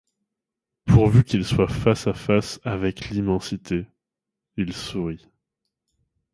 Pourvu qu'ils soient face à face avec l'immensité, ils sourient.